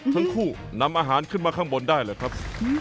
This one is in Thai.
ทั้งคู่นำอาหารขึ้นมาข้างบนได้เลยครับ